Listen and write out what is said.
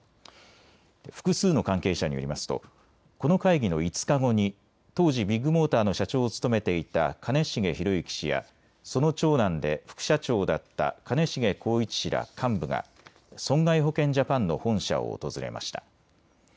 複数の関係者によりますとこの会議の５日後に当時、ビッグモーターの社長を務めていた兼重宏行氏やその長男で副社長だった兼重宏一氏ら幹部が損害保険ジャパンの本社を訪れました。